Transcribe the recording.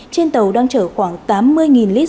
trên tàu đang chở khoảng một trăm ba mươi lít dầu đeo trái phép